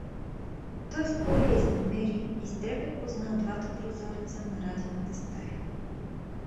Той скоро я изнамери и с трепет позна двата прозореца на Радината стая.